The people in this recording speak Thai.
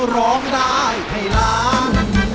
ร้องได้ให้ล้าน